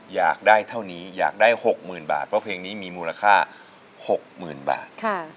อยากได้เท่านี้อยากได้หกหมื่นบาทเพราะเพลงนี้มีมูลค่าหกหมื่นบาท